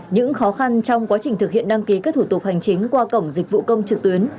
những khó khăn trong quá trình thực hiện đăng ký các thủ tục hành chính qua cổng dịch vụ công trực tuyến